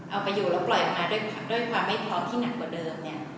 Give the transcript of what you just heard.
เอาไปอยู่แล้วปล่อยออกมาด้วยความไม่พร้อมที่หนักกว่าเดิมเนี่ย